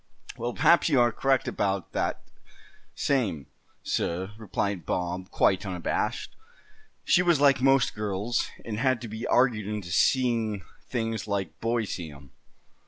"Well, perhaps you are correct about that same, suh," replied Bob, quite unabashed; "she was like most girls, and had to be argued into seeing things like boys see 'em.